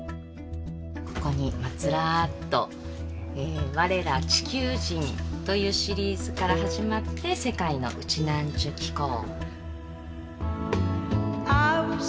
ここにずらっと「われら地球人」というシリーズから始まって世界の「ウチナーンチュ紀行」。